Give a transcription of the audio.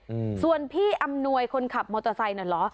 อืมส่วนพี่อำนวยคนขับมอเตอร์ไซค์น่ะเหรอ